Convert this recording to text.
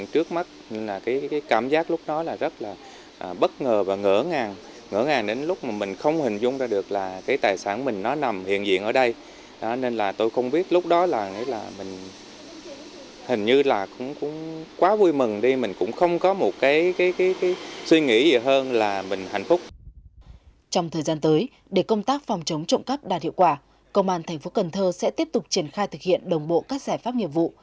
trong thời gian tới để công tác phòng chống trụng cấp đạt hiệu quả công an thành phố cần thơ sẽ tiếp tục triển khai thực hiện đồng bộ các giải pháp nghiệp vụ